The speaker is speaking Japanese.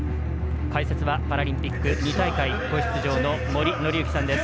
解説はパラリンピック２大会出場の森紀之さんです。